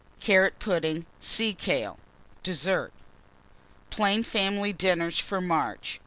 Carrot Pudding. Sea kale. DESSERT. PLAIN FAMILY DINNERS FOR MARCH.